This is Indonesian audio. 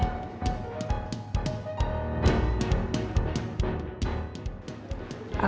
haris mempunyai kemampuan yang lebih kuat